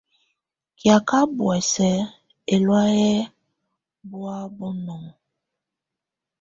Kɛ̀áka buɛsɛ ɛlɔ̀áyɛ bɔá bunɔŋɔ.